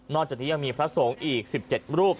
นอกจากที่ยังมีพระโสงอีก๑๗รูป